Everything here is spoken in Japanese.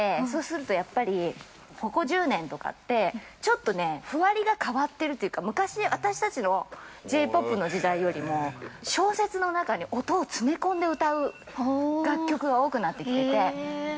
そうすると、やっぱり、ここ１０年とかって、ちょっとね譜割りが変わってるというか、昔、私たちのＪポップの時代より小節の中に音を詰め込んで歌う楽曲が多くなってきてて。